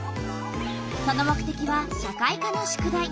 その目てきは社会科の宿題。